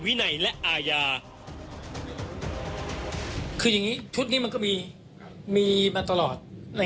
วินัยและอาญาคืออย่างนี้ชุดนี้มันก็มีมีมาตลอด